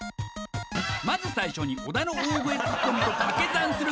まず最初に小田の大声ツッコミとかけ算する